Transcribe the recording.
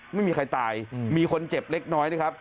ไม่มีใครตายมีคนเจ็บเล็กน้อยนะครับ